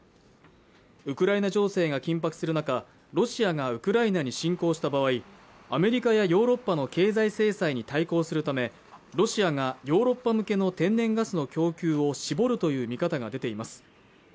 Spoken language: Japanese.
ウクライナ情勢が緊迫する中ロシアがウクライナに侵攻した場合アメリカやヨーロッパの経済制裁に対抗するためロシアがヨーロッパ向けの天然ガスの供給を絞るという見方が出ています